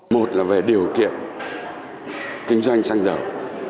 một là về điều kiện kinh doanh xăng dầu